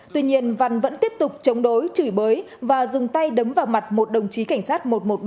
tuy nhiên văn vẫn tiếp tục chống đối chửi bới và dùng tay đấm vào mặt một đồng chí cảnh sát một trăm một mươi ba